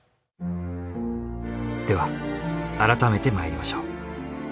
では改めてまいりましょう。